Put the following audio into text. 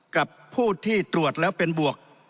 กับผู้ที่ตรวจแล้วเป็นบวก